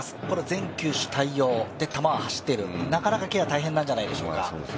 全球種対応、球は走っている、なかなかケア、大変なんじゃないでしょうか。